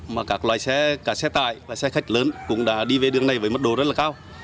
mà các loài xe cả xe tài và xe khách lớn cũng đã đi về đường này với mức đồ rất là cao